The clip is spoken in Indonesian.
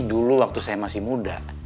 dulu waktu saya masih muda